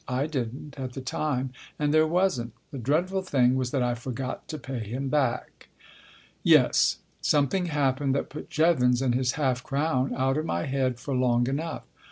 I didn't at the time, and there wasn't. The dreadful thing was that I forgot to pay him back. Yes. Something happened that put Jevons and his half crown out of my head for long enough.